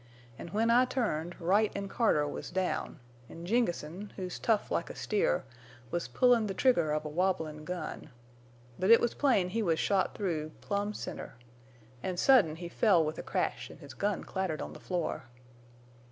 An' when I turned, Wright an' Carter was down, en' Jengessen, who's tough like a steer, was pullin' the trigger of a wabblin' gun. But it was plain he was shot through, plumb center. An' sudden he fell with a crash, an' his gun clattered on the floor.